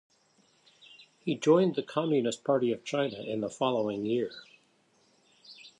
He joined the Communist Party of China in the following year.